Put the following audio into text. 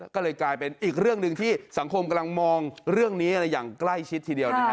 ก็เลยกลายเป็นอีกเรื่องหนึ่งที่สังคมกำลังมองเรื่องนี้อย่างใกล้ชิดทีเดียวนะฮะ